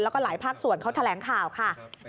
แล้วก็หลายภาคส่วนเขาแถลงข่าวค่ะ